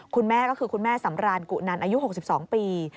คุณแม่ก็คือคุณแม่สำรานกุนันอายุ๖๒ปี